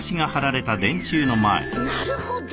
なるほど。